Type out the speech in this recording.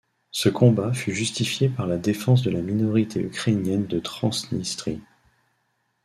Ce combat fut justifié par la défense de la minorité ukrainienne de Transnistrie.